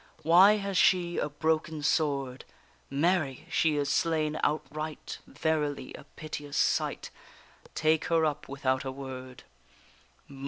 Why has she a broken sword? Mary! she is slain outright; Verily a piteous sight; Take her up without a word!